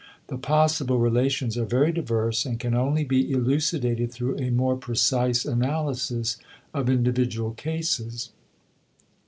The possible relations are very diverse and can only be elucidated through a more precise analysis of individual cases.